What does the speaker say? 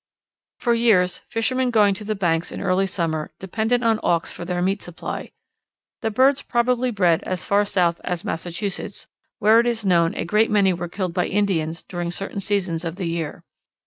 For years fishermen going to the Banks in early summer depended on Auks for their meat supply. The birds probably bred as far south as Massachusetts, where it is known a great many were killed by Indians during certain seasons of the year.